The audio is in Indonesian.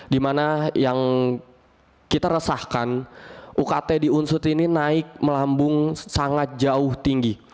dimana yang kita resahkan ukt di unsut ini naik melambung sangat jauh tinggi